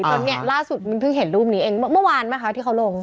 ตอนนี้ล่าสุดเพิ่งเห็นรูปนี้เองเมื่อวานมั้ยคะที่เขาลง